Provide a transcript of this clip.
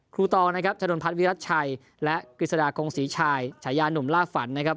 ตองนะครับชะนนพัฒนวิรัติชัยและกฤษฎากงศรีชายฉายานุ่มล่าฝันนะครับ